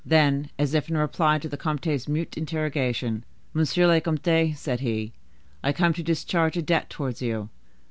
Then, as if in reply to the comte's mute interrogation,— "Monsieur le Comte," said he, "I come to discharge a debt towards you.